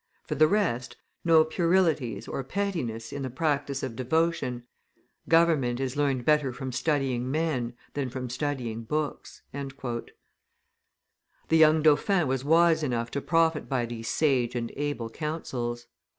For the rest, no puerilities or pettinesses in the practice of devotion; government is learned better from studying men than from studying books." The young dauphin was wise enough to profit by these sage and able counsels.